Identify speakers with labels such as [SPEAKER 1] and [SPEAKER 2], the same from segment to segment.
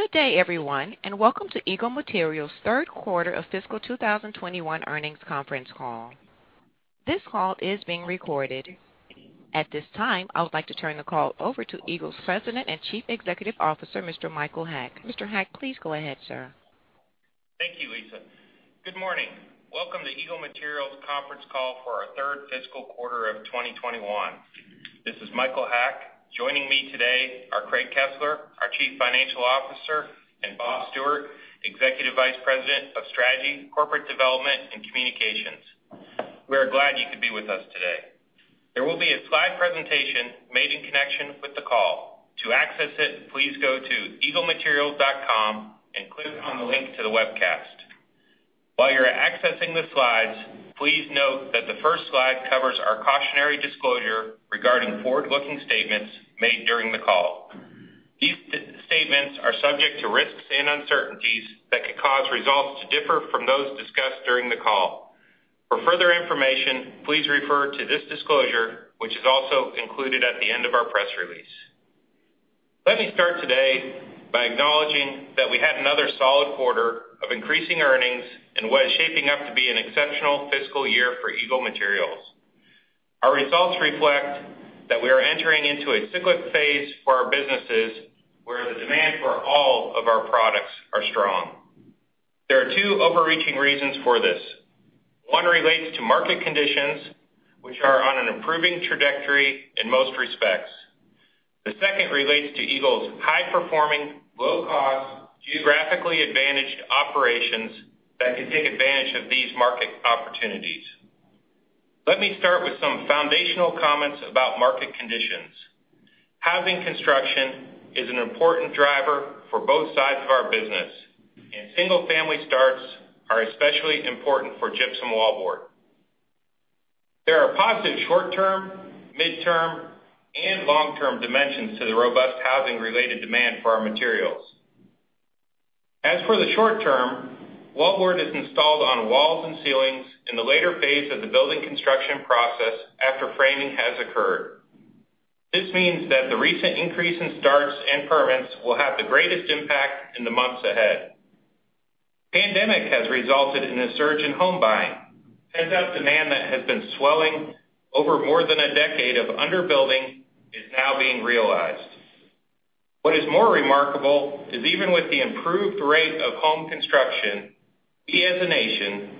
[SPEAKER 1] Good day everyone. Welcome to Eagle Materials third quarter of fiscal 2021 earnings conference call. This call is being recorded. At this time, I would like to turn the call over to Eagle's President and Chief Executive Officer, Mr. Michael Haack. Mr. Haack, please go ahead, sir.
[SPEAKER 2] Thank you, Lisa. Good morning. Welcome to Eagle Materials conference call for our third fiscal quarter of 2021. This is Michael Haack. Joining me today are Craig Kesler, our Chief Financial Officer, and Bob Stewart, Executive Vice President of Strategy, Corporate Development, and Communications. We are glad you could be with us today. There will be a slide presentation made in connection with the call. To access it, please go to eaglematerials.com and click on the link to the webcast. While you are accessing the slides, please note that the first slide covers our cautionary disclosure regarding forward-looking statements made during the call. These statements are subject to risks and uncertainties that could cause results to differ from those discussed during the call. For further information, please refer to this disclosure, which is also included at the end of our press release. Let me start today by acknowledging that we had another solid quarter of increasing earnings in what is shaping up to be an exceptional fiscal year for Eagle Materials. Our results reflect that we are entering into a cyclic phase for our businesses, where the demand for all of our products are strong. There are two overreaching reasons for this. One relates to market conditions, which are on an improving trajectory in most respects. The second relates to Eagle's high-performing, low-cost, geographically advantaged operations that can take advantage of these market opportunities. Let me start with some foundational comments about market conditions. Housing construction is an important driver for both sides of our business, and single-family starts are especially important for gypsum wallboard. There are positive short-term, midterm, and long-term dimensions to the robust housing-related demand for our materials. As for the short-term, wallboard is installed on walls and ceilings in the later phase of the building construction process after framing has occurred. This means that the recent increase in starts and permits will have the greatest impact in the months ahead. pandemic has resulted in a surge in home buying, hence that demand that has been swelling over more than a decade of under-building is now being realized. What is more remarkable is even with the improved rate of home construction, we, as a nation,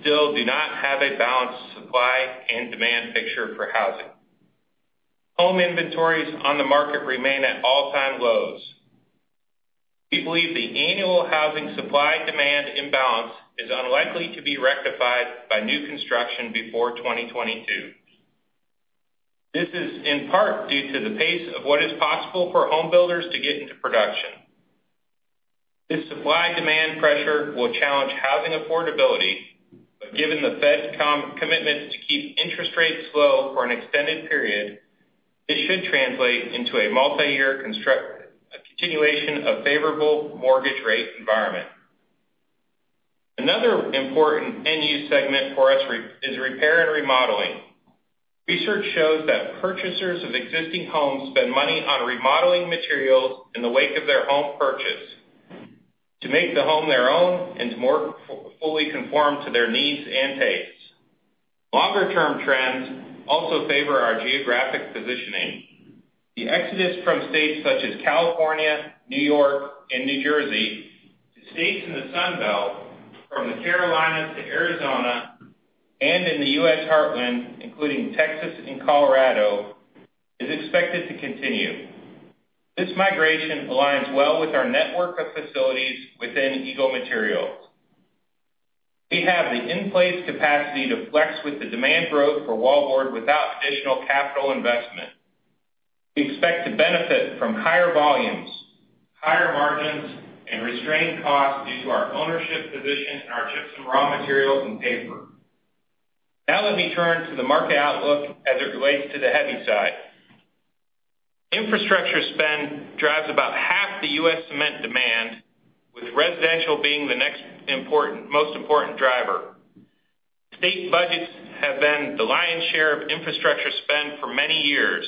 [SPEAKER 2] still do not have a balanced supply and demand picture for housing. Home inventories on the market remain at all-time lows. We believe the annual housing supply-demand imbalance is unlikely to be rectified by new construction before 2022. This is in part due to the pace of what is possible for home builders to get into production. This supply-demand pressure will challenge housing affordability, but given the Fed's commitment to keep interest rates low for an extended period, it should translate into a multiyear continuation of favorable mortgage rate environment. Another important end-use segment for us is repair and remodeling. Research shows that purchasers of existing homes spend money on remodeling materials in the wake of their home purchase to make the home their own and to more fully conform to their needs and tastes. Longer-term trends also favor our geographic positioning. The exodus from states such as California, New York, and New Jersey to states in the Sunbelt, from the Carolinas to Arizona, and in the U.S. Heartland, including Texas and Colorado, is expected to continue. This migration aligns well with our network of facilities within Eagle Materials. We have the in-place capacity to flex with the demand growth for wallboard without additional capital investment. We expect to benefit from higher volumes, higher margins, and restrained costs due to our ownership position in our gypsum raw materials and paper. Now let me turn to the market outlook as it relates to the heavy side. Infrastructure spend drives about half the U.S. cement demand, with residential being the next most important driver. State budgets have been the lion's share of infrastructure spend for many years.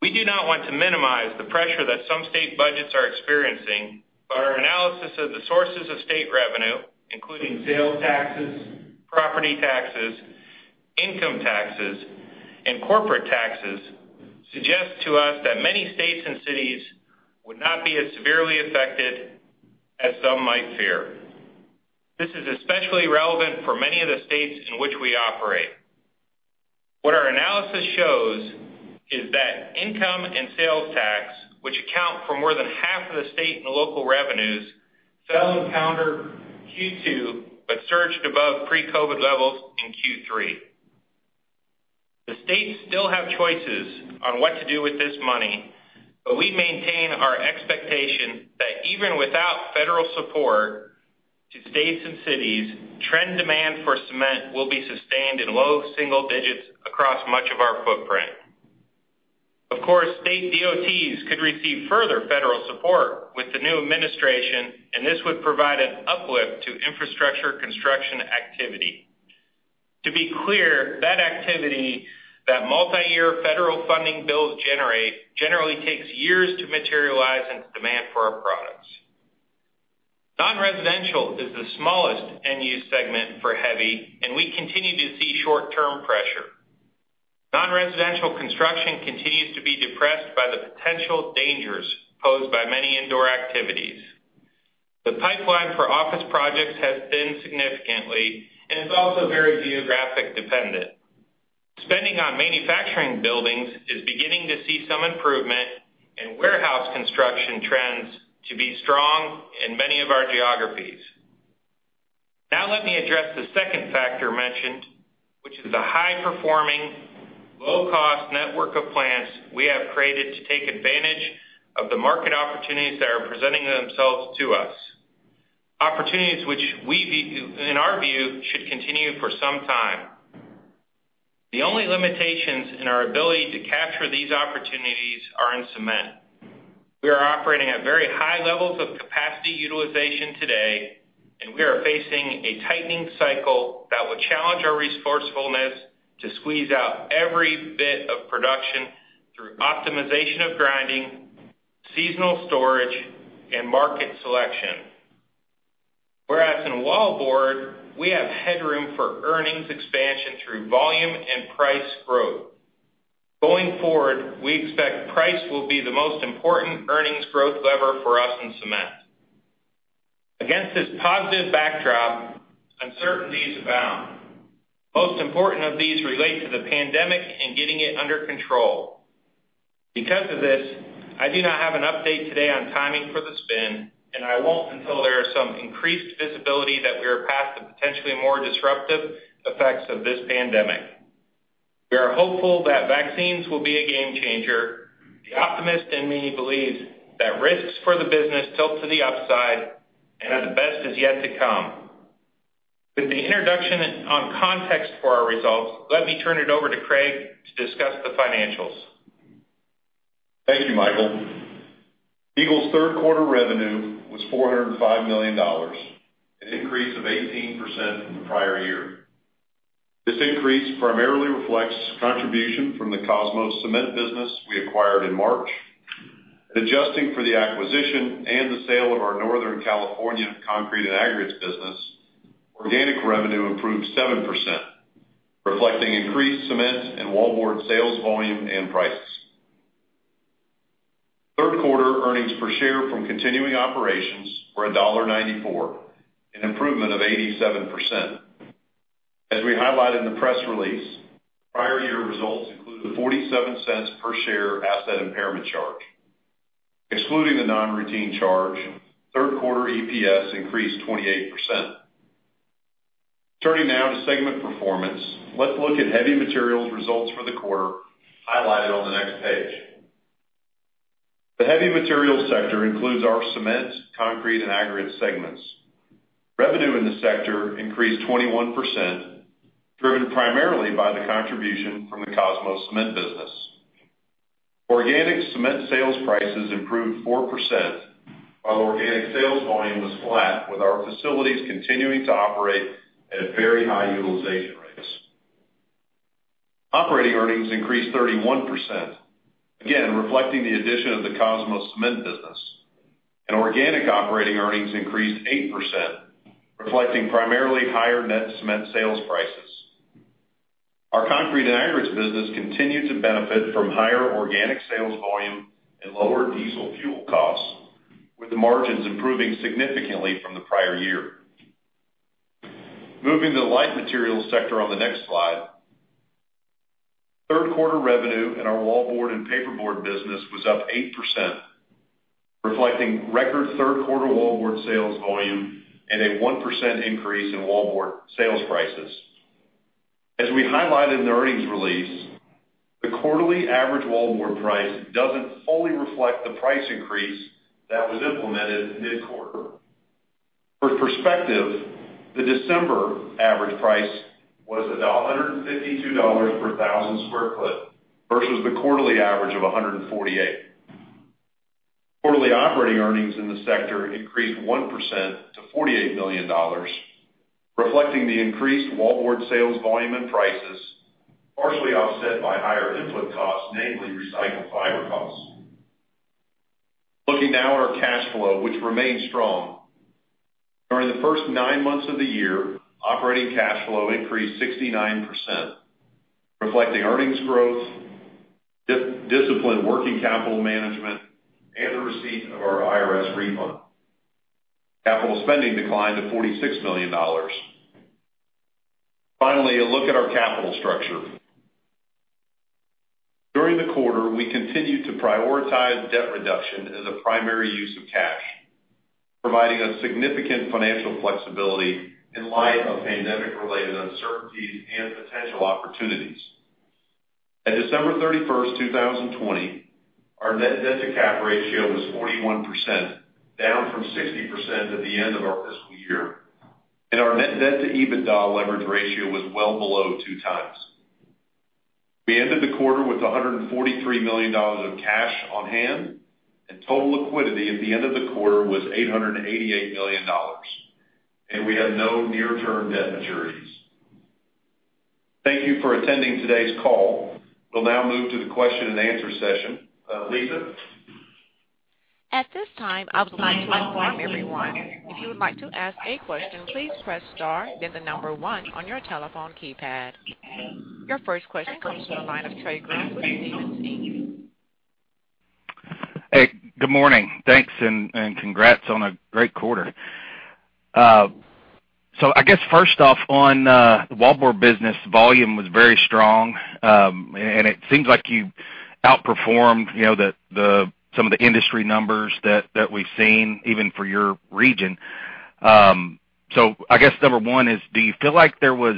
[SPEAKER 2] We do not want to minimize the pressure that some state budgets are experiencing, but our analysis of the sources of state revenue, including sales taxes, property taxes, income taxes, and corporate taxes, suggest to us that many states and cities would not be as severely affected as some might fear. This is especially relevant for many of the states in which we operate. What our analysis shows is that income and sales tax, which account for more than half of the state and local revenues, fell in calendar Q2 but surged above pre-COVID levels in Q3. The states still have choices on what to do with this money, but we maintain our expectation that even without federal support to states and cities, trend demand for cement will be sustained in low single digits across much of our footprint. Of course state DOTs could receive further federal support with the new administration, and this would provide an uplift to infrastructure construction activity. To be clear, that activity that multi-year federal funding bills generally takes years to materialize into demand for our products. Non-residential is the smallest end-use segment for heavy, and we continue to see short-term pressure. Non-residential construction continues to be depressed by the potential dangers posed by many indoor activities. The pipeline for office projects has thinned significantly and is also very geographic dependent. Spending on manufacturing buildings is beginning to see some improvement, and warehouse construction trends to be strong in many of our geographies. Now let me address the second factor mentioned, which is the high-performing, low-cost network of plants we have created to take advantage of the market opportunities that are presenting themselves to us. Opportunities which, in our view, should continue for some time. The only limitations in our ability to capture these opportunities are in cement. We are operating at very high levels of capacity utilization today, and we are facing a tightening cycle that will challenge our resourcefulness to squeeze out every bit of production through optimization of grinding, seasonal storage, and market selection. Whereas in wallboard, we have headroom for earnings expansion through volume and price growth. Going forward, we expect price will be the most important earnings growth lever for us in cement. Against this positive backdrop, uncertainties abound. Most important of these relate to the pandemic and getting it under control. Because of this, I do not have an update today on timing for the spin, and I won't until there is some increased visibility that we are past the potentially more disruptive effects of this pandemic. We are hopeful that vaccines will be a game changer. The optimist in me believes that risks for the business tilt to the upside and that the best is yet to come. With the introduction on context for our results, let me turn it over to Craig to discuss the financials.
[SPEAKER 3] Thank you, Michael. Eagle's third quarter revenue was $405 million, an increase of 18% from the prior year. This increase primarily reflects contribution from the Kosmos Cement business we acquired in March. Adjusting for the acquisition and the sale of our Northern California Concrete and Aggregates business, organic revenue improved 7%, reflecting increased cement and wallboard sales volume and prices. Third quarter earnings per share from continuing operations were $1.94, an improvement of 87%. As we highlighted in the press release, prior year results include the $0.47 per share asset impairment charge. Excluding the non-routine charge, third quarter EPS increased 28%. Turning now to segment performance, let's look at Heavy Materials results for the quarter, highlighted on the next page. The Heavy Materials sector includes our cement, concrete and aggregate segments. Revenue in this sector increased 21%, driven primarily by the contribution from the Kosmos Cement business. Organic cement sales prices improved 4%, while organic sales volume was flat, with our facilities continuing to operate at very high utilization rates. Operating earnings increased 31%, again, reflecting the addition of the Kosmos Cement business, and organic operating earnings increased 8%, reflecting primarily higher net cement sales prices. Our concrete and aggregates business continued to benefit from higher organic sales volume and lower diesel fuel costs, with the margins improving significantly from the prior year. Moving to the Light Materials sector on the next slide. Third quarter revenue in our wallboard and paperboard business was up 8%, reflecting record third quarter wallboard sales volume and a 1% increase in wallboard sales prices. As we highlighted in the earnings release, the quarterly average wallboard price doesn't fully reflect the price increase that was implemented mid-quarter. For perspective, the December average price was $152 per 1,000 sq ft versus the quarterly average of $148. Quarterly operating earnings in the sector increased 1% to $48 million, reflecting the increased wallboard sales volume and prices, partially offset by higher input costs, namely recycled fiber costs. Looking now at our cash flow, which remains strong. During the first nine months of the year, operating cash flow increased 69%, reflecting earnings growth, disciplined working capital management, and the receipt of our IRS refund. Capital spending declined to $46 million. Finally, a look at our capital structure. During the quarter, we continued to prioritize debt reduction as a primary use of cash, providing us significant financial flexibility in light of pandemic-related uncertainties and potential opportunities. At December 31st, 2020, our net debt to cap ratio was 41%, down from 60% at the end of our fiscal year. Our net debt to EBITDA leverage ratio was well below two times. We ended the quarter with $143 million of cash on hand, and total liquidity at the end of the quarter was $888 million, and we have no near-term debt maturities. Thank you for attending today's call. We'll now move to the question and answer session. Lisa?
[SPEAKER 1] At this time, I would like to unmute everyone. If you would like to ask a question, please press star, then the number one on your telephone keypad. Your first question comes from the line of Trey Grooms with Stephens.
[SPEAKER 4] Hey, good morning. Thanks, and congrats on a great quarter. I guess first off on the wallboard business, volume was very strong. It seems like you outperformed some of the industry numbers that we've seen, even for your region. I guess number one is, do you feel like there was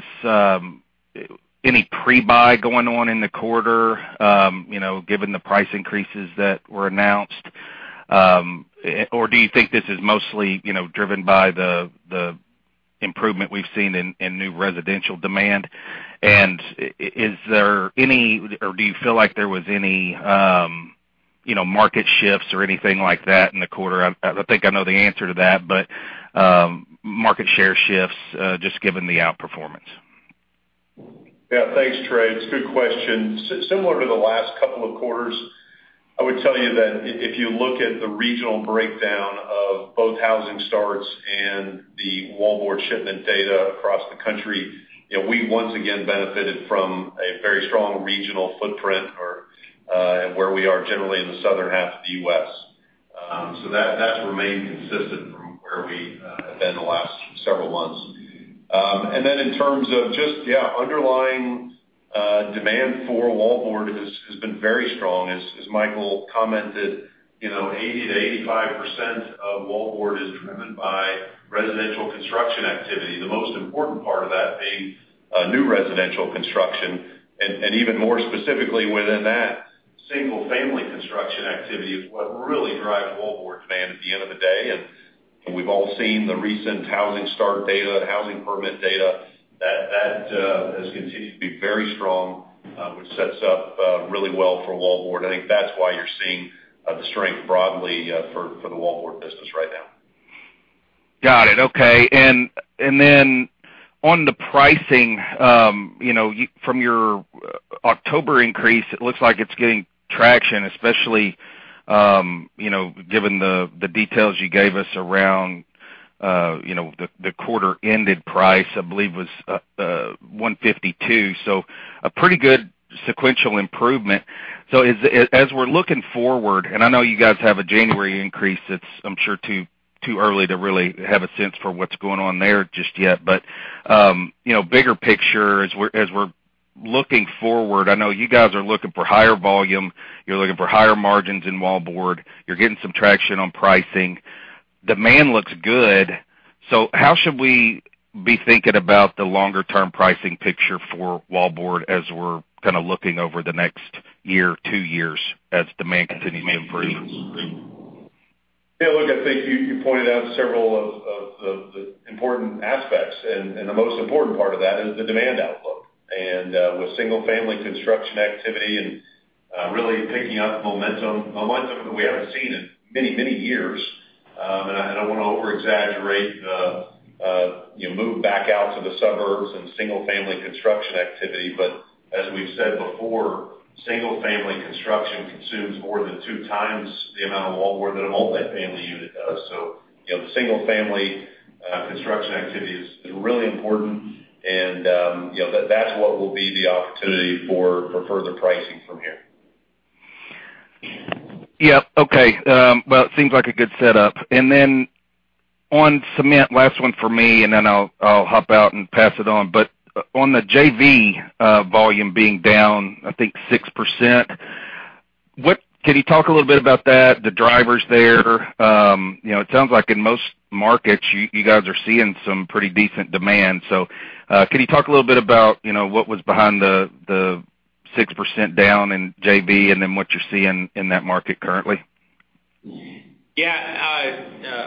[SPEAKER 4] any pre-buy going on in the quarter, given the price increases that were announced? Do you think this is mostly driven by the improvement we've seen in new residential demand? Do you feel like there was any market shifts or anything like that in the quarter? I think I know the answer to that, but market share shifts, just given the outperformance.
[SPEAKER 3] Yeah. Thanks, Trey. It's a good question. Similar to the last couple of quarters, I would tell you that if you look at the regional breakdown of both housing starts and the wallboard shipment data across the country, we once again benefited from a very strong regional footprint where we are generally in the southern half of the U.S. That's remained consistent from where we have been the last several months. In terms of just underlying demand for wallboard has been very strong. As Michael commented, 80%-85% of wallboard is driven by residential construction activity. The most important part of that being new residential construction, and even more specifically within that, single-family construction activity is what really drives wallboard demand at the end of the day. We've all seen the recent housing start data, housing permit data. That has continued to be very strong, which sets up really well for wallboard. I think that's why you're seeing the strength broadly for the wallboard business right now.
[SPEAKER 4] Got it. Okay. On the pricing, from your October increase, it looks like it's getting traction, especially given the details you gave us around the quarter-ended price, I believe was 152. A pretty good sequential improvement. As we're looking forward, and I know you guys have a January increase that's, I'm sure, too early to really have a sense for what's going on there just yet. Bigger picture, as we're looking forward, I know you guys are looking for higher volume. You're looking for higher margins in wallboard. You're getting some traction on pricing. Demand looks good. How should we be thinking about the longer-term pricing picture for wallboard as we're kind of looking over the next year, two years as demand continues to improve?
[SPEAKER 3] Yeah, look, I think you pointed out several of the important aspects, and the most important part of that is the demand outlook. With single-family construction activity and really picking up momentum that we haven't seen in many, many years. I don't want to over-exaggerate the move back out to the suburbs and single-family construction activity. As we've said before, single-family construction consumes more than two times the amount of wallboard than a multi-family unit does. The single-family construction activity is really important and that's what will be the opportunity for further pricing from here.
[SPEAKER 4] Yeah. Okay. Well, it seems like a good setup. Then on cement, last one for me, and then I'll hop out and pass it on. On the JV volume being down, I think 6%, can you talk a little bit about that, the drivers there? It sounds like in most markets, you guys are seeing some pretty decent demand. Can you talk a little bit about what was behind the 6% down in JV and then what you're seeing in that market currently?
[SPEAKER 2] Yeah.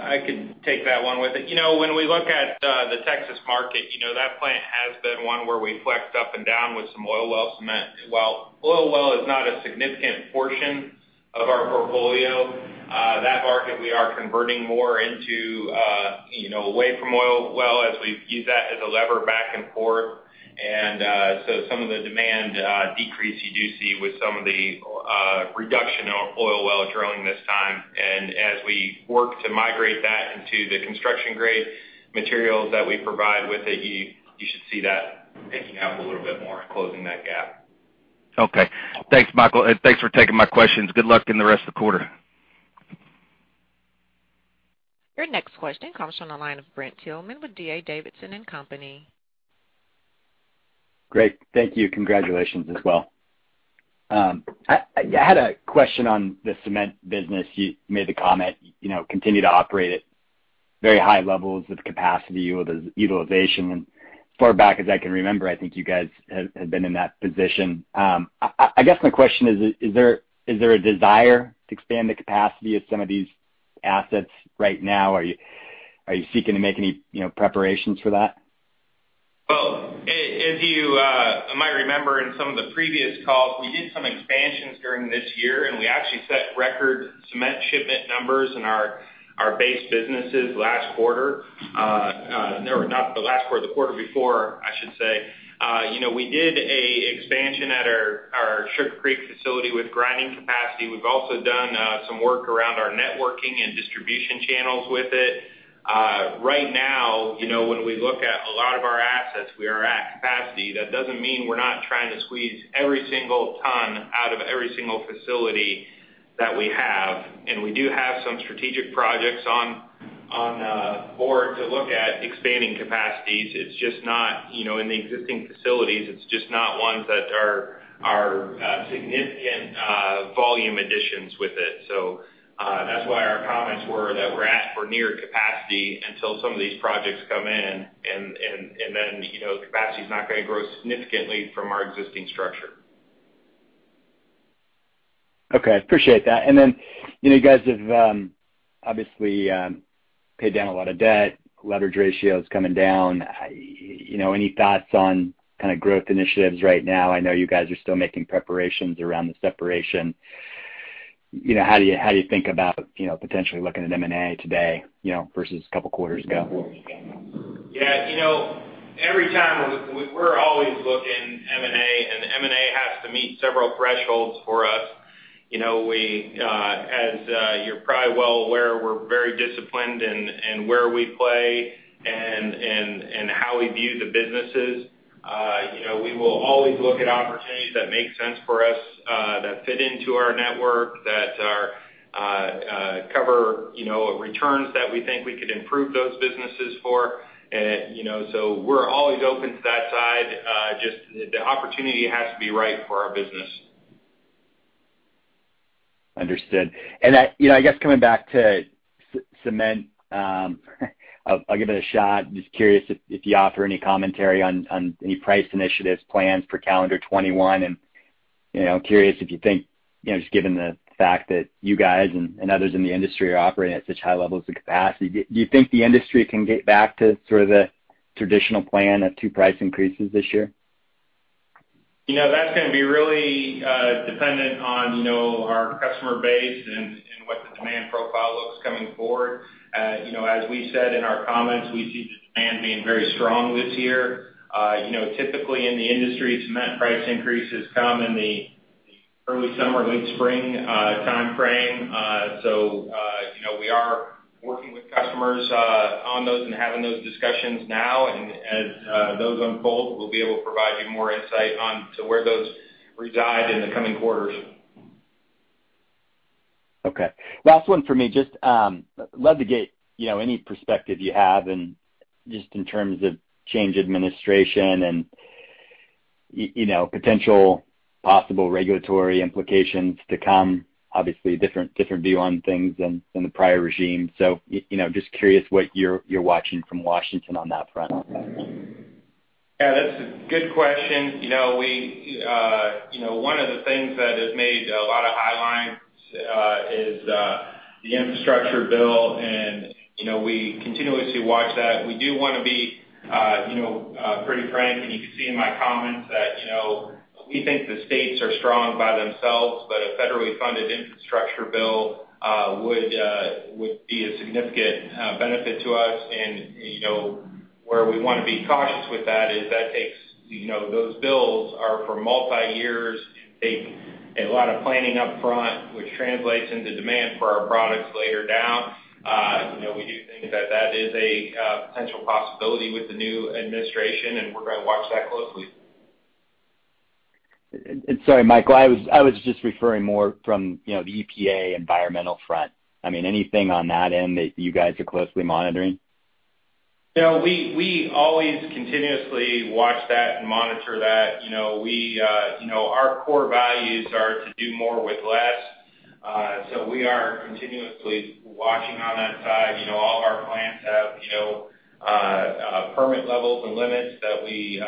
[SPEAKER 2] I could take that one. When we look at the Texas market, that plant has been one where we flexed up and down with some oil well cement. While oil well is not a significant portion of our portfolio, that market we are converting more away from oil well as we use that as a lever back and forth. Some of the demand decrease you do see with some of the reduction in oil well drilling this time. As we work to migrate that into the construction-grade materials that we provide with it, you should see that picking up a little bit more and closing that gap.
[SPEAKER 4] Okay. Thanks, Michael. Thanks for taking my questions. Good luck in the rest of the quarter.
[SPEAKER 1] Your next question comes from the line of Brent Thielman with D.A. Davidson & Co.
[SPEAKER 5] Great. Thank you. Congratulations as well. I had a question on the cement business. You made the comment, continue to operate at very high levels of capacity utilization. As far back as I can remember, I think you guys have been in that position. I guess my question is there a desire to expand the capacity of some of these assets right now? Are you seeking to make any preparations for that?
[SPEAKER 2] Well, as you might remember in some of the previous calls, we did some expansions during this year, and we actually set record cement shipment numbers in our base businesses last quarter. No, not the last quarter, the quarter before, I should say. We did an expansion at our Sugar Creek facility with grinding capacity. We've also done some work around our networking and distribution channels with it. Right now, when we look at a lot of our assets, we are at capacity. That doesn't mean we're not trying to squeeze every single ton out of every single facility that we have. We do have some strategic projects on board to look at expanding capacities. In the existing facilities, it's just not ones that are significant volume additions with it. That's why our comments were that we're at or near capacity until some of these projects come in and then, capacity is not going to grow significantly from our existing structure.
[SPEAKER 5] Okay. I appreciate that. You guys have obviously, paid down a lot of debt, leverage ratio is coming down. Any thoughts on kind of growth initiatives right now? I know you guys are still making preparations around the separation. How do you think about potentially looking at M&A today, versus a couple of quarters ago?
[SPEAKER 2] Yeah. We're always looking M&A, and M&A has to meet several thresholds for us. As you're probably well aware, we're very disciplined in where we play and how we view the businesses. We will always look at opportunities that make sense for us, that fit into our network, that cover returns that we think we could improve those businesses for. We're always open to that side. Just the opportunity has to be right for our business.
[SPEAKER 5] Understood. I guess coming back to cement, I'll give it a shot. Just curious if you offer any commentary on any price initiatives, plans for calendar 2021, and curious if you think, just given the fact that you guys and others in the industry are operating at such high levels of capacity, do you think the industry can get back to sort of the traditional plan of two price increases this year?
[SPEAKER 2] That's going to be really dependent on our customer base and what the demand profile looks coming forward. As we said in our comments, we see the demand being very strong this year. Typically, in the industry, cement price increases come in the early summer, late spring timeframe. We are working with customers on those and having those discussions now. As those unfold, we'll be able to provide you more insight onto where those reside in the coming quarters.
[SPEAKER 5] Okay. Last one from me. Just love to get any perspective you have, and just in terms of change administration and potential possible regulatory implications to come, obviously a different view on things than the prior regime. Just curious what you're watching from Washington on that front.
[SPEAKER 2] Yeah, that's a good question. One of the things that has made a lot of headlines is the infrastructure bill, and we continuously watch that. We do want to be pretty frank, and you can see in my comments that we think the states are strong by themselves, but a federally funded infrastructure bill would be a significant benefit to us. Where we want to be cautious with that is those bills are for multi-years and take a lot of planning up front, which translates into demand for our products later down. We do think that that is a potential possibility with the new administration, and we're going to watch that closely.
[SPEAKER 5] Sorry, Michael, I was just referring more from the EPA environmental front. Anything on that end that you guys are closely monitoring?
[SPEAKER 2] We always continuously watch that and monitor that. Our core values are to do more with less. We are continuously watching on that side. All of our plants have permit levels and limits that we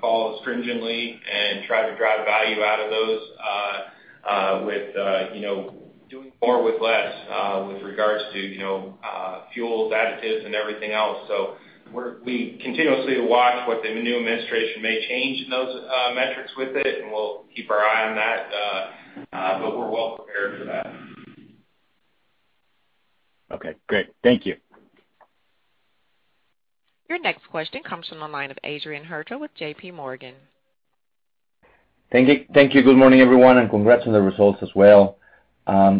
[SPEAKER 2] follow stringently and try to drive value out of those with doing more with less, with regards to fuels, additives, and everything else. We continuously watch what the new administration may change in those metrics with it, and we'll keep our eye on that. We're well prepared for that.
[SPEAKER 5] Okay, great. Thank you.
[SPEAKER 1] Your next question comes from the line of Adrian Huerta with JPMorgan.
[SPEAKER 6] Thank you. Good morning, everyone, and congrats on the results as well.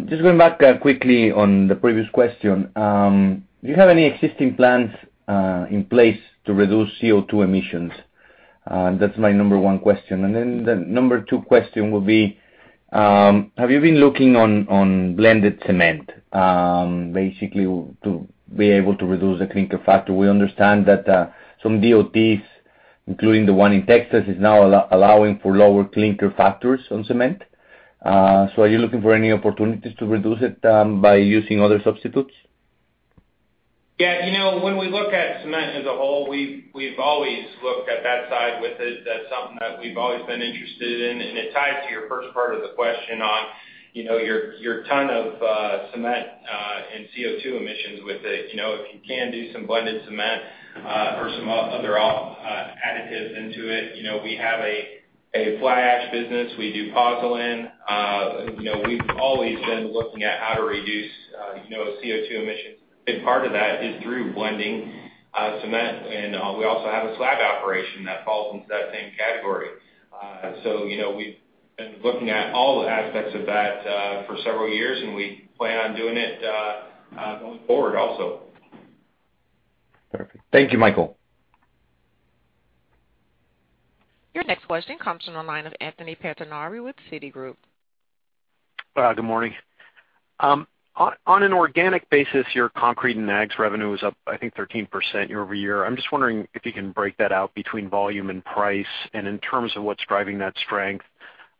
[SPEAKER 6] Just going back quickly on the previous question, do you have any existing plans in place to reduce CO2 emissions? That's my number one question. The number two question will be, have you been looking on blended cement, basically to be able to reduce the clinker factor? We understand that some DOTs, including the one in Texas, is now allowing for lower clinker factors on cement. Are you looking for any opportunities to reduce it by using other substitutes?
[SPEAKER 2] Yeah. When we look at cement as a whole, we've always looked at that side with it as something that we've always been interested in, and it ties to your first part of the question on Your ton of cement and CO2 emissions with it. If you can do some blended cement or some other additives into it. We have a fly ash business. We do pozzolan. We've always been looking at how to reduce CO2 emissions. A big part of that is through blending cement, and we also have a slag operation that falls into that same category. We've been looking at all aspects of that for several years, and we plan on doing it going forward also.
[SPEAKER 6] Perfect. Thank you, Michael.
[SPEAKER 1] Your next question comes from the line of Anthony Pettinari with Citigroup.
[SPEAKER 7] Good morning. On an organic basis, your concrete and aggs revenue is up, I think, 13% year-over-year. I'm just wondering if you can break that out between volume and price, and in terms of what's driving that strength,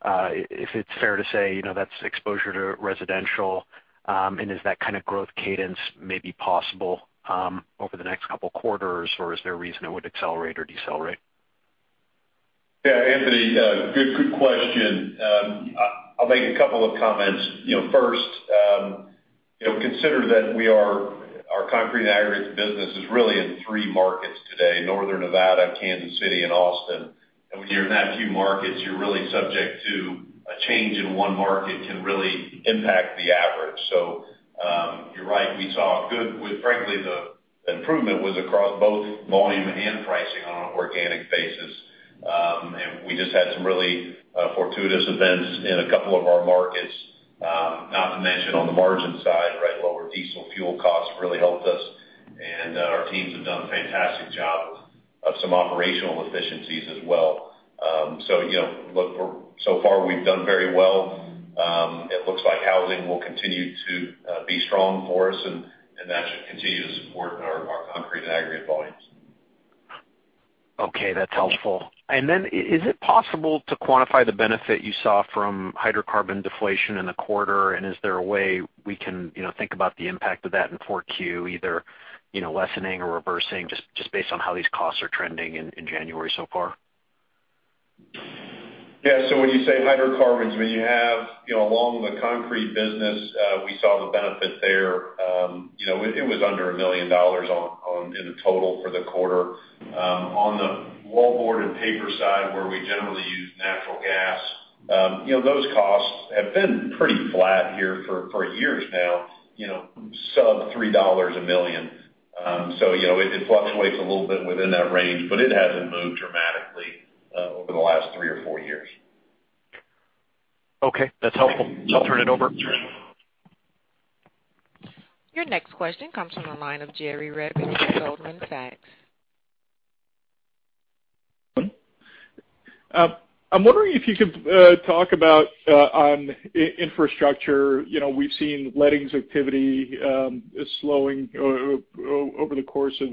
[SPEAKER 7] if it's fair to say, that's exposure to residential, and is that kind of growth cadence maybe possible over the next couple of quarters, or is there a reason it would accelerate or decelerate?
[SPEAKER 3] Yeah, Anthony, good question. I'll make a couple of comments. First, consider that our concrete and aggregates business is really in three markets today: Northern Nevada, Kansas City, and Austin. When you're in that few markets, you're really subject to a change in one market can really impact the average. You're right, we saw good with frankly, the improvement was across both volume and pricing on an organic basis. We just had some really fortuitous events in a couple of our markets, not to mention on the margin side, right? Lower diesel fuel costs really helped us, and our teams have done a fantastic job of some operational efficiencies as well. So far, we've done very well. It looks like housing will continue to be strong for us, and that should continue to support our concrete and aggregate volumes.
[SPEAKER 7] Okay, that's helpful. Is it possible to quantify the benefit you saw from hydrocarbon deflation in the quarter? Is there a way we can think about the impact of that in 4Q, either lessening or reversing, just based on how these costs are trending in January so far?
[SPEAKER 3] Yeah. When you say hydrocarbons, when you have along the concrete business, we saw the benefit there. It was under a million dollars in the total for the quarter. On the wallboard and paper side, where we generally use natural gas, those costs have been pretty flat here for years now, sub $3 a million. It fluctuates a little bit within that range, but it hasn't moved dramatically over the last three or four years.
[SPEAKER 7] Okay, that's helpful. I'll turn it over.
[SPEAKER 1] Your next question comes from the line of Jerry Revich with Goldman Sachs.
[SPEAKER 8] I'm wondering if you could talk about on infrastructure. We've seen lettings activity slowing over the course of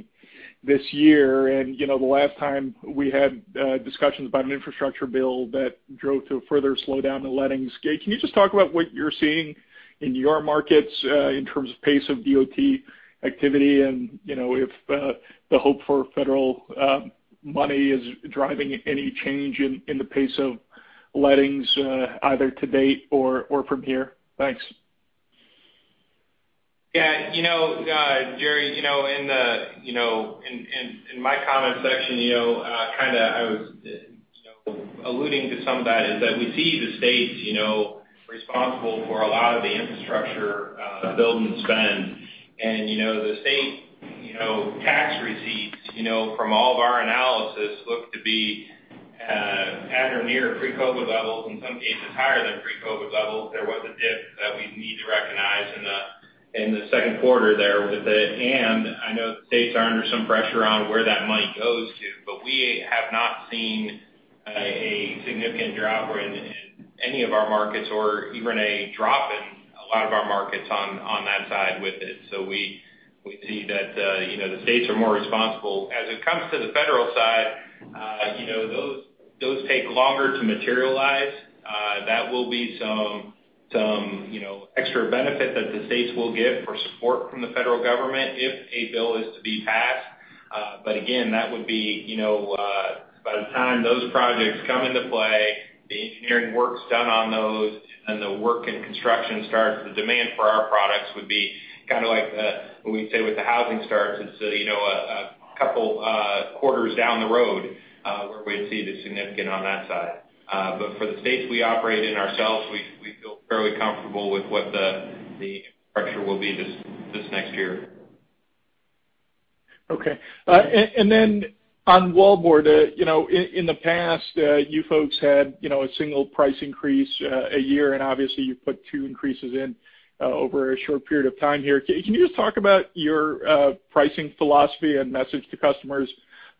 [SPEAKER 8] this year, and the last time we had discussions about an infrastructure bill that drove to a further slowdown in lettings. Can you just talk about what you're seeing in your markets in terms of pace of DOT activity and if the hope for federal money is driving any change in the pace of lettings either to date or from here? Thanks.
[SPEAKER 2] Yeah. Jerry, in my comment section, I was alluding to some of that is that we see the states responsible for a lot of the infrastructure build and spend. The state tax receipts from all of our analysis look to be at or near pre-COVID levels, in some cases higher than pre-COVID levels. There was a dip that we need to recognize in the second quarter there with it, and I know states are under some pressure on where that money goes to, but we have not seen a significant drop in any of our markets or even a drop in a lot of our markets on that side with it. We see that the states are more responsible. As it comes to the federal side, those take longer to materialize. That will be some extra benefit that the states will get for support from the federal government if a bill is to be passed. Again, by the time those projects come into play, the engineering work's done on those, and then the work and construction starts, the demand for our products would be like what we say with the housing starts. It's a couple quarters down the road where we'd see the significant on that side. For the states we operate in ourselves, we feel fairly comfortable with what the infrastructure will be this next year.
[SPEAKER 8] Okay. On wallboard, in the past, you folks had a single price increase a year, and obviously, you put two increases in over a short period of time here. Can you just talk about your pricing philosophy and message to customers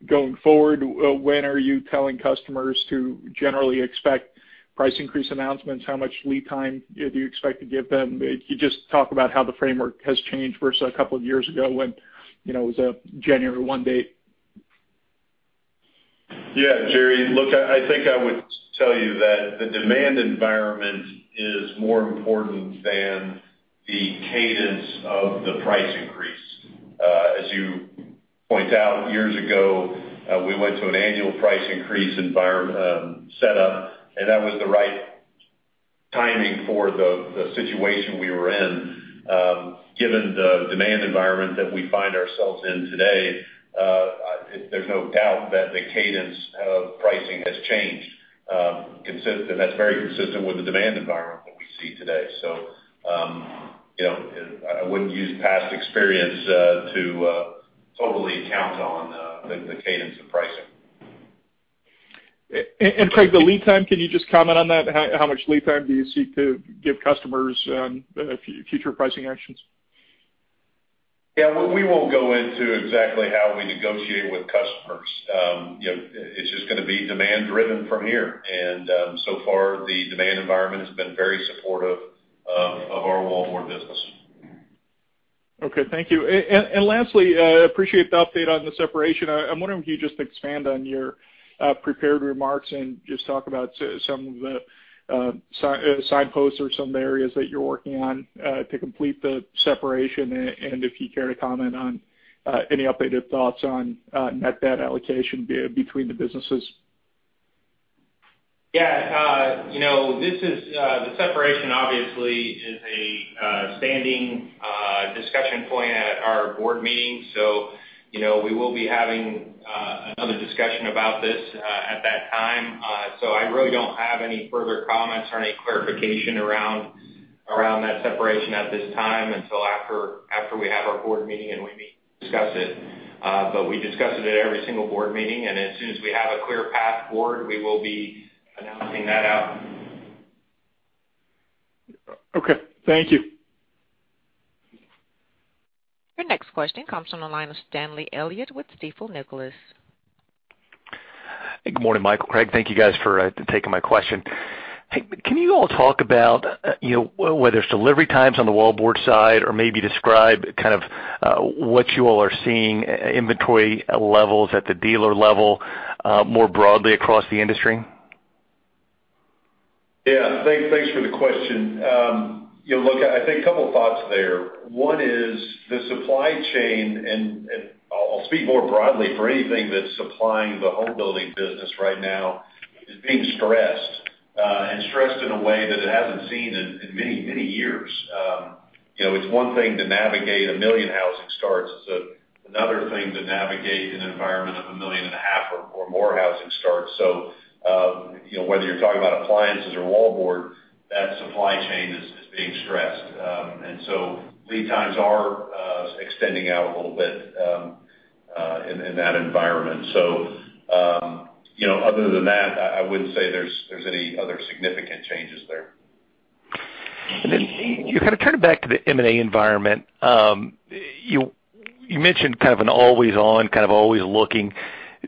[SPEAKER 8] going forward? When are you telling customers to generally expect price increase announcements? How much lead time do you expect to give them? Can you just talk about how the framework has changed versus a couple of years ago when it was a January one date?
[SPEAKER 3] Yeah. Jerry, look, I think I would tell you that the demand environment is more important than the cadence of the price increase. As you point out years ago, we went to an annual price increase setup, and that was the right timing for the situation we were in. Given the demand environment that we find ourselves in today, there's no doubt that the cadence of pricing has changed. That's very consistent with the demand environment that we see today. I wouldn't use past experience to totally count on the cadence of pricing.
[SPEAKER 8] Craig, the lead time, can you just comment on that? How much lead time do you seek to give customers on future pricing actions?
[SPEAKER 3] Yeah. We won't go into exactly how we negotiate with customers. It's just going to be demand-driven from here. So far, the demand environment has been very supportive of our wallboard business.
[SPEAKER 8] Okay, thank you. Lastly, appreciate the update on the separation. I'm wondering if you could just expand on your prepared remarks and just talk about some of the signposts or some of the areas that you're working on to complete the separation, and if you care to comment on any updated thoughts on net debt allocation between the businesses.
[SPEAKER 2] Yeah. The separation obviously is a standing discussion point at our board meeting, so we will be having another discussion about this at that time. I really don't have any further comments or any clarification around that separation at this time until after we have our board meeting and we meet to discuss it. We discuss it at every single board meeting, and as soon as we have a clear path forward, we will be announcing that out.
[SPEAKER 8] Okay. Thank you.
[SPEAKER 1] Your next question comes from the line of Stanley Elliott with Stifel Nicolaus.
[SPEAKER 9] Good morning, Michael, Craig. Thank you guys for taking my question. Hey, can you all talk about whether it's delivery times on the wallboard side, or maybe describe what you all are seeing inventory levels at the dealer level more broadly across the industry?
[SPEAKER 3] Yeah. Thanks for the question. Look, I think a couple thoughts there. One is the supply chain, and I'll speak more broadly for anything that's supplying the home building business right now, is being stressed, and stressed in a way that it hasn't seen in many, many years. It's one thing to navigate 1 million housing starts. It's another thing to navigate an environment of 1.5 million or more housing starts. Whether you're talking about appliances or wallboard, that supply chain is being stressed. Lead times are extending out a little bit in that environment. Other than that, I wouldn't say there's any other significant changes there.
[SPEAKER 9] kind of turning back to the M&A environment. You mentioned kind of an always on, kind of always looking.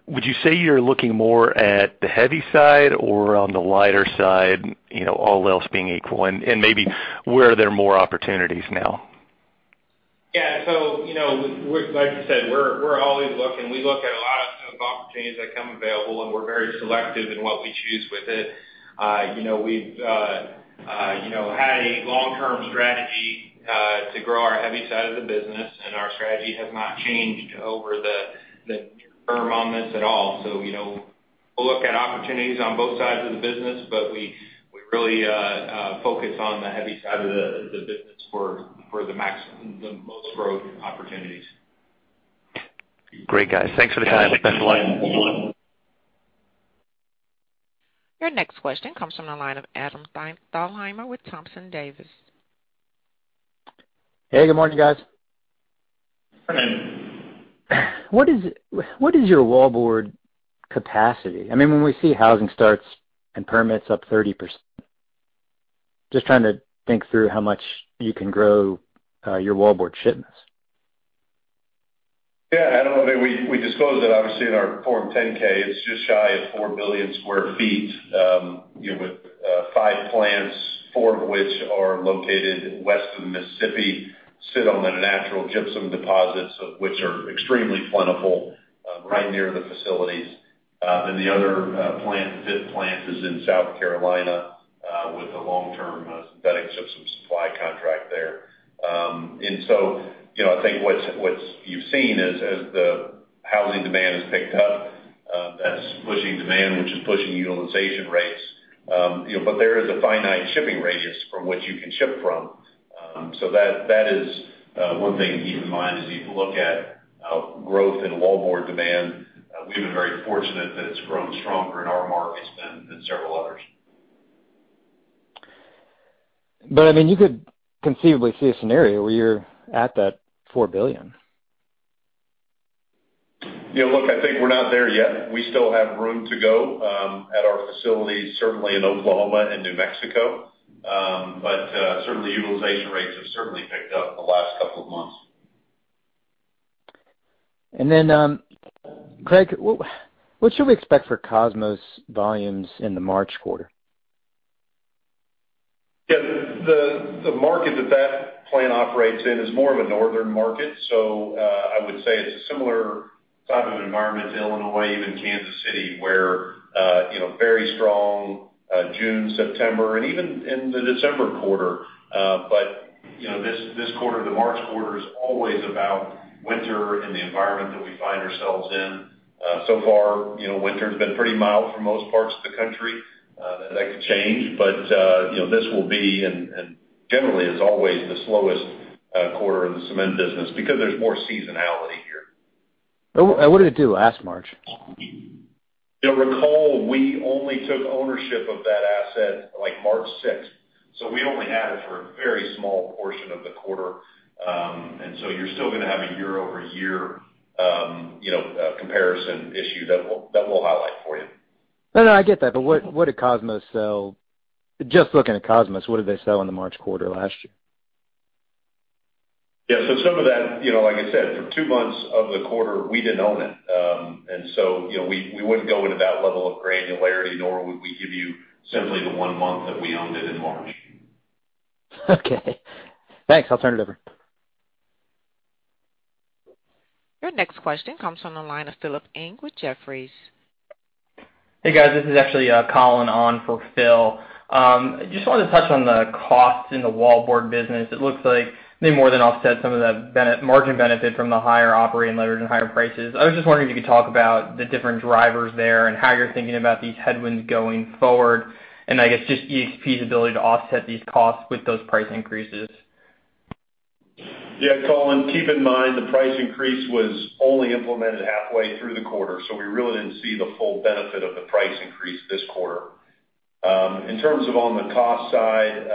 [SPEAKER 9] Would you say you're looking more at the heavy side or on the lighter side, all else being equal? Maybe where are there more opportunities now?
[SPEAKER 2] Yeah. Like I said, we're always looking. We look at a lot of opportunities that come available, and we're very selective in what we choose with it. We've had a long-term strategy to grow our heavy side of the business, and our strategy has not changed over the near-term on this at all. We'll look at opportunities on both sides of the business, but we really focus on the heavy side of the business for the most growth opportunities.
[SPEAKER 9] Great, guys. Thanks for the time.
[SPEAKER 1] Your next question comes from the line of Adam Thalhimer with Thompson Davis.
[SPEAKER 10] Hey, good morning, guys.
[SPEAKER 2] Morning.
[SPEAKER 10] What is your wallboard capacity? When we see housing starts and permits up 30%, just trying to think through how much you can grow your wallboard shipments.
[SPEAKER 3] Yeah, Adam. We disclosed it, obviously, in our Form 10-K. It's just shy of 4 billion square feet, with five plants, four of which are located west of the Mississippi, sit on the natural gypsum deposits, which are extremely plentiful right near the facilities. The other fifth plant is in South Carolina with a long-term synthetic gypsum supply contract there. I think what you've seen as the housing demand has picked up, that's pushing demand, which is pushing utilization rates. There is a finite shipping radius from which you can ship from. That is one thing to keep in mind as you look at growth in wallboard demand. We've been very fortunate that it's grown stronger in our markets than several others.
[SPEAKER 10] You could conceivably see a scenario where you're at that $4 billion.
[SPEAKER 3] Look, I think we're not there yet. We still have room to go at our facilities, certainly in Oklahoma and New Mexico. certainly utilization rates have certainly picked up in the last couple of months.
[SPEAKER 10] Craig, what should we expect for Kosmos volumes in the March quarter?
[SPEAKER 3] Yeah. The market that plant operates in is more of a northern market. I would say it's a similar type of environment to Illinois, even Kansas City, where very strong June, September, and even in the December quarter. This quarter, the March quarter is always about winter and the environment that we find ourselves in. So far, winter has been pretty mild for most parts of the country. That could change, but this will be, and generally is always the slowest quarter in the cement business because there's more seasonality here.
[SPEAKER 10] What did it do last March?
[SPEAKER 3] You'll recall we only took ownership of that asset March 6th, so we only had it for a very small portion of the quarter. You're still going to have a year-over-year comparison issue that we'll highlight for you.
[SPEAKER 10] No, I get that. What did Kosmos sell? Just looking at Kosmos, what did they sell in the March quarter last year?
[SPEAKER 3] Yeah. Some of that, like I said, for two months of the quarter, we didn't own it. We wouldn't go into that level of granularity, nor would we give you simply the one month that we owned it in March.
[SPEAKER 10] Okay. Thanks. I'll turn it over.
[SPEAKER 1] Your next question comes from the line of Philip Ng with Jefferies.
[SPEAKER 11] Hey, guys. This is actually Colin on for Phil. Just wanted to touch on the costs in the wallboard business. It looks like they more than offset some of the margin benefit from the higher operating leverage and higher prices. I was just wondering if you could talk about the different drivers there and how you're thinking about these headwinds going forward, and I guess just EXP's ability to offset these costs with those price increases.
[SPEAKER 3] Yeah, Colin, keep in mind, the price increase was only implemented halfway through the quarter, so we really didn't see the full benefit of the price increase this quarter. In terms of on the cost side,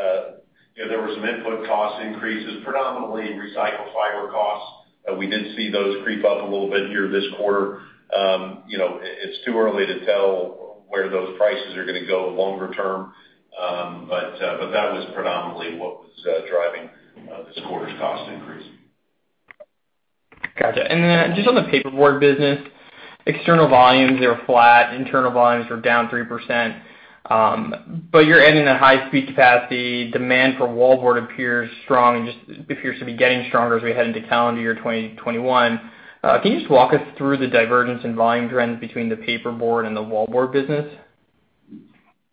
[SPEAKER 3] there were some input cost increases, predominantly recycled fiber costs. We did see those creep up a little bit here this quarter. It's too early to tell where those prices are going to go longer term. That was predominantly what was driving this quarter's cost increase.
[SPEAKER 11] Gotcha. Just on the paperboard business, external volumes are flat, internal volumes are down 3%, but you're adding that high-speed capacity. Demand for wallboard appears strong and just appears to be getting stronger as we head into calendar year 2021. Can you just walk us through the divergence in volume trends between the paperboard and the wallboard business?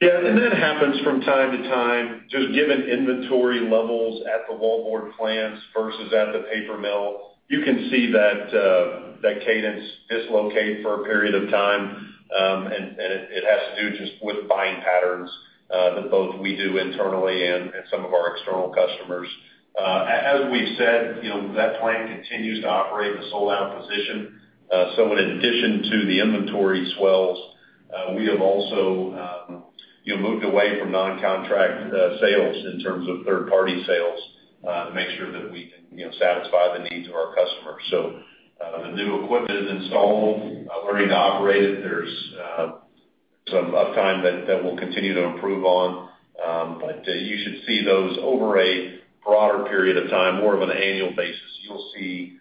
[SPEAKER 3] Yeah. That happens from time to time. Just given inventory levels at the wallboard plants versus at the paper mill, you can see that cadence dislocate for a period of time. It has to do just with buying patterns that both we do internally and some of our external customers. As we've said, that plant continues to operate in a sold-out position. In addition to the inventory swells, we have also moved away from non-contract sales in terms of third-party sales to make sure that we can satisfy the needs of our customers. The new equipment is installed, we're in operate. There's some uptime that we'll continue to improve on. You should see those over a broader period of time, more of an annual basis. You'll see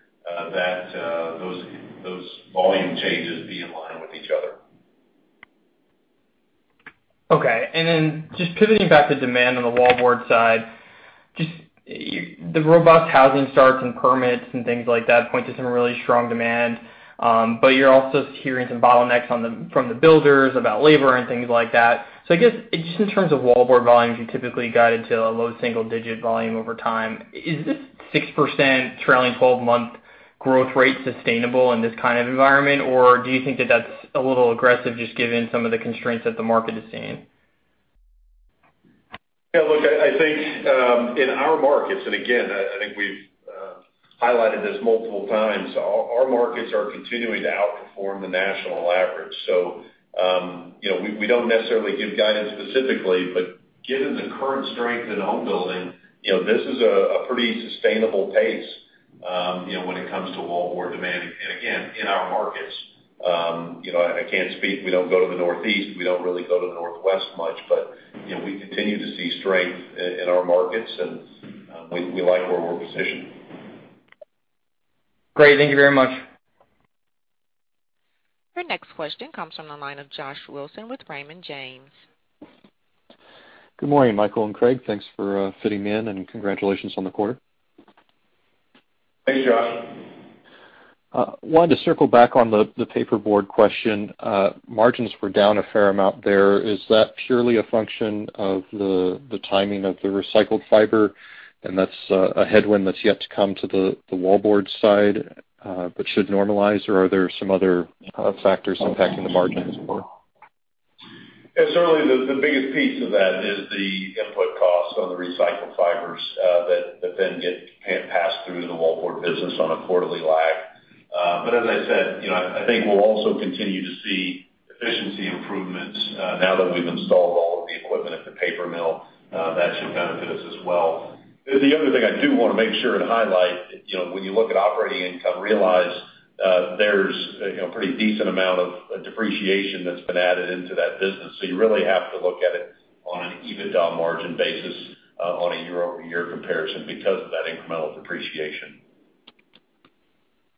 [SPEAKER 3] those volume changes be in line with each other.
[SPEAKER 11] Okay. Just pivoting back to demand on the wallboard side, the robust housing starts and permits and things like that point to some really strong demand. You're also hearing some bottlenecks from the builders about labor and things like that. I guess just in terms of wallboard volumes, you typically guided to a low single-digit volume over time. Is this 6% trailing 12-month growth rate sustainable in this kind of environment, or do you think that that's a little aggressive just given some of the constraints that the market is seeing?
[SPEAKER 3] Yeah, look, I think in our markets, and again, I think we've highlighted this multiple times, our markets are continuing to outperform the national average. we don't necessarily give guidance specifically, but given the current strength in home building, this is a pretty sustainable pace when it comes to wallboard demand. again, in our markets. I can't speak, we don't go to the Northeast, we don't really go to the Northwest much, but we continue to see strength in our markets, and we like where we're positioned.
[SPEAKER 11] Great. Thank you very much.
[SPEAKER 1] Your next question comes from the line of Josh Wilson with Raymond James.
[SPEAKER 12] Good morning, Michael and Craig. Thanks for fitting me in, and congratulations on the quarter.
[SPEAKER 3] Thanks, Josh.
[SPEAKER 12] Wanted to circle back on the paperboard question. Margins were down a fair amount there. Is that purely a function of the timing of the recycled fiber, and that's a headwind that's yet to come to the wallboard side, but should normalize, or are there some other factors impacting the margins more?
[SPEAKER 3] Certainly the biggest piece of that is the input cost on the recycled fibers that then get passed through to the wallboard business on a quarterly lag. As I said, I think we'll also continue to see efficiency improvements now that we've installed all of the equipment at the paper mill. That should benefit us as well. The other thing I do want to make sure to highlight, when you look at operating income, realize there's a pretty decent amount of depreciation that's been added into that business. You really have to look at it on an EBITDA margin basis on a year-over-year comparison because of that incremental depreciation.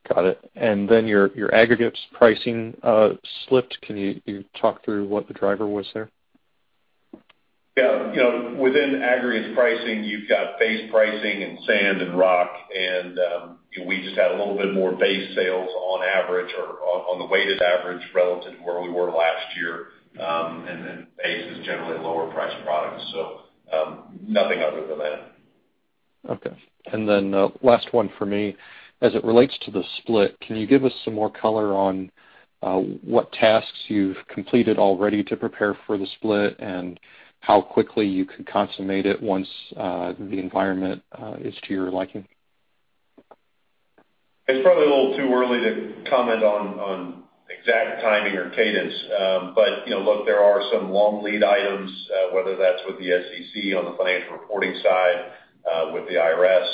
[SPEAKER 12] Got it. Your aggregate pricing slipped. Can you talk through what the driver was there?
[SPEAKER 3] Yeah. Within aggregate pricing, you've got base pricing in sand and rock, we just had a little bit more base sales on average or on the weighted average relative to where we were last year. Base is generally a lower-priced product, so nothing other than that.
[SPEAKER 12] Okay. Last one for me. As it relates to the split, can you give us some more color on what tasks you've completed already to prepare for the split and how quickly you could consummate it once the environment is to your liking?
[SPEAKER 3] It's probably a little too early to comment on exact timing or cadence. Look, there are some long lead items, whether that's with the SEC on the financial reporting side, with the IRS.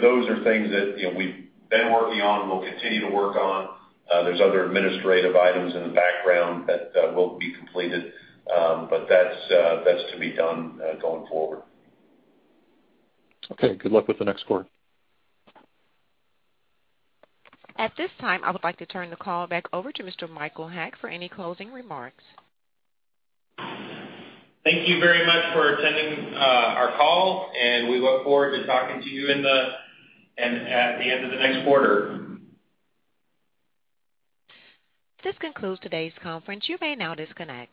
[SPEAKER 3] Those are things that we've been working on, we'll continue to work on. There's other administrative items in the background that will be completed, but that's to be done going forward.
[SPEAKER 12] Okay. Good luck with the next quarter.
[SPEAKER 1] At this time, I would like to turn the call back over to Mr. Michael Haack for any closing remarks.
[SPEAKER 2] Thank you very much for attending our call, and we look forward to talking to you at the end of the next quarter.
[SPEAKER 1] This concludes today's conference. You may now disconnect.